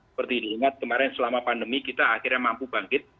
seperti diingat kemarin selama pandemi kita akhirnya mampu bangkit